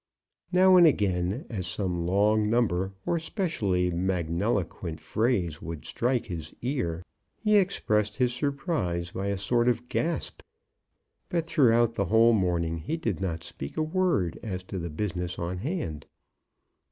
Now and again, as some long number or specially magniloquent phrase would strike his ear, he expressed his surprise by a sort of gasp; but throughout the whole morning he did not speak a word as to the business on hand.